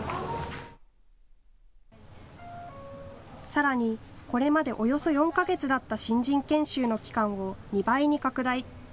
さらに、これまでおよそ４か月だった新人研修の期間を２倍に拡大。